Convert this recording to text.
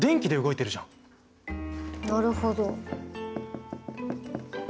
なるほど。